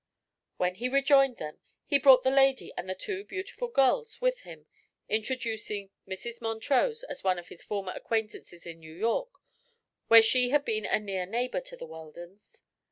When he rejoined them he brought the lady and the two beautiful girls with him, introducing Mrs. Montrose as one of his former acquaintances in New York, where she had been a near neighbor to the Weldons.